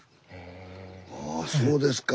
あそうですか。